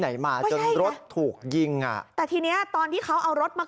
ไหนมาจนรถถูกยิงอ่ะแต่ทีเนี้ยตอนที่เขาเอารถมา